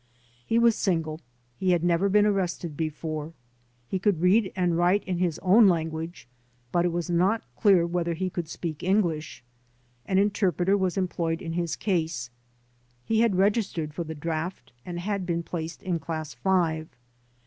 He was single. He had never been arrested before. He could read and write in his own language, but it is not clear whether he could speak English ; an interpreter was employed in his case. He had registered for the draft and had been placed in class five.